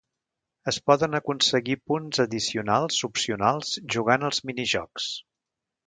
Es poden aconseguir punts addicionals opcionals jugant als minijocs.